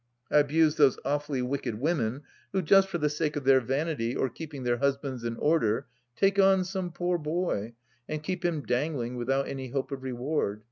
I abused those awfully wicked women who just for the sake of their vanity, or keeping their husbands in order, take on some poor boy, and keep him dangling without any hope of reward.